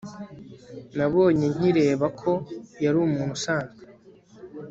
nabonye nkireba ko yari umuntu usanzwe